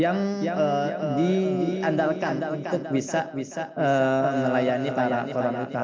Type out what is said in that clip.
yang diandalkan untuk bisa melayani para korban luka